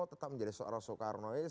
tetap menjadi seorang soekarnois